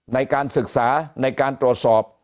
ในการศึกษาในการตรวจสอบ